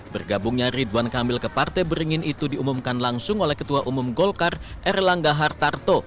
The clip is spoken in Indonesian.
bergabungnya ridwan kamil ke partai beringin itu diumumkan langsung oleh ketua umum golkar erlangga hartarto